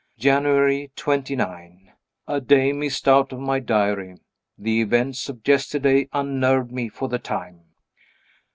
January 29. A day missed out of my Diary. The events of yesterday unnerved me for the time.